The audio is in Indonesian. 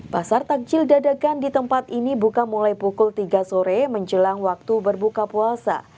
pasar takjil dadakan di tempat ini buka mulai pukul tiga sore menjelang waktu berbuka puasa